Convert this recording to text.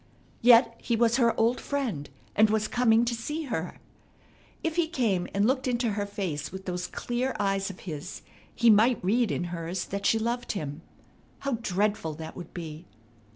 Yet he was her old friend, and was coming to see her. If he came and looked into her face with those clear eyes of his, he might read in hers that she loved him. How dreadful that would be!